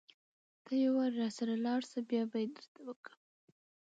ته يوارې راسره لاړ شه بيا به يې درته وکړم.